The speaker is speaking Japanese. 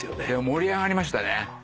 盛り上がりましたね。